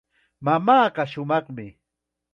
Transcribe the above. Mamaaqa shumaqmi.